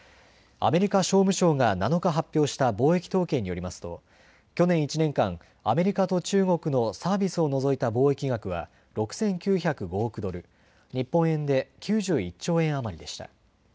アメリカ商務省が７日、発表した貿易統計によりますと去年１年間、アメリカと中国のサービスを除いた貿易額は６９０５億ドル、日本円で９１兆円余りでした。